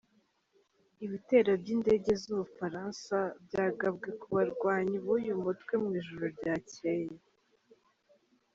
Ibitero by’indege z’Ubufaransa byagabwe ku barwanyi b’uyu mutwe mu ijoro ryacyeye.